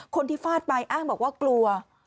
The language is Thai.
คนที่ฟาดไปอ้างบอกว่ากลัว